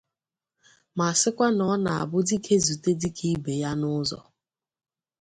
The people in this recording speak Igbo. ma sịkwa na ọ na-abụ dike zùte dike ibè ya n'ụzọ